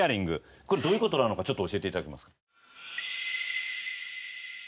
これどういう事なのかちょっと教えて頂けますか？